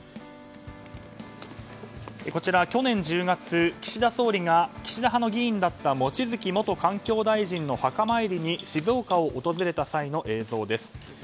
こちら去年１０月岸田総理が岸田派の議員だった望月元環境大臣の墓参りに静岡を訪れた際の映像です。